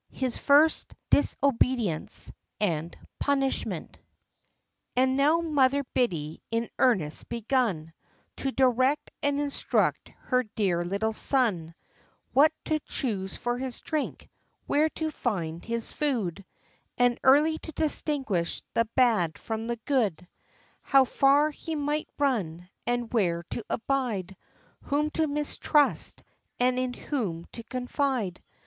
— HIS FIRST DISOBEDIENCE AND PUNISHMENT. And now Mother Biddy in earnest begun To direct and instruct her dear little son What to choose for his drink, where to find his food, And early to distinguish the bad from the good, — How far he might run, and where to abide, — Whom to mistrust, and in whom to confide.